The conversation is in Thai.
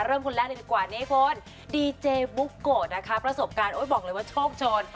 คนแรกเลยดีกว่านี้คุณดีเจบุ๊กโกะนะคะประสบการณ์บอกเลยว่าโชคโชน